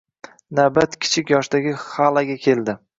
Navbat kichik yoshdagi Xalaga keldi